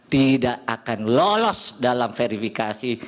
tidak akan lolos dalam verifikasi